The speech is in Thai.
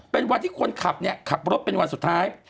เป็นวันที่คนขับเนี่ยขับรถเป็นวันสุดท้าย